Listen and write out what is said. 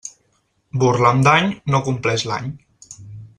Burla amb dany no compleix l'any.